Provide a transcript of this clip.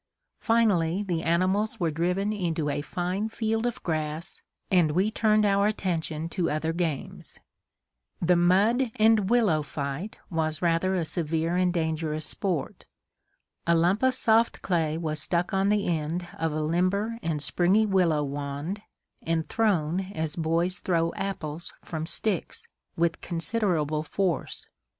Finally the animals were driven into a fine field of grass and we turned our attention to other games. The "mud and willow" fight was rather a severe and dangerous sport. A lump of soft clay was stuck on the end of a limber and springy willow wand and thrown as boys throw apples from sticks, with considerable force.